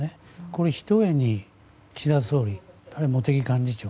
これひとえに岸田総理茂木幹事長